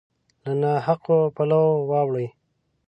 له نا حقو پولو واوړي